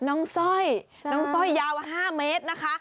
สร้อยน้องสร้อยยาว๕เมตรนะคะ